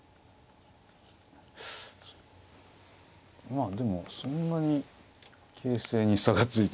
まあでもそんなに形勢に差がついてない。